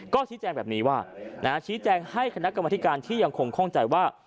ก็ชี้แจงแบบนี้ว่าชี้แจงให้คณะกรรมธิการที่ยังคงข้องใจว่า